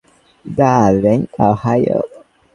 এবং একসাথে থাকবো।